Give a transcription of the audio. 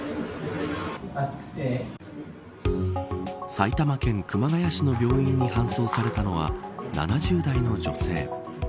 埼玉県熊谷市の病院に搬送されたのは７０代の女性。